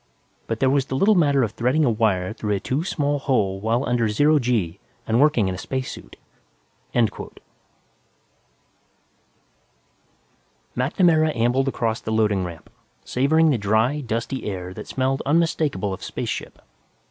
But there was the little matter of threading a wire through a too small hole while under zero g, and working in a spacesuit!_ MacNamara ambled across the loading ramp, savoring the dry, dusty air that smelled unmistakable of spaceship.